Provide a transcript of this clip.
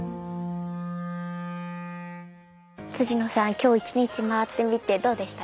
野さん今日一日回ってみてどうでしたか？